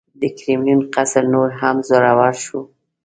د کرملین قیصر نور هم زړور شو.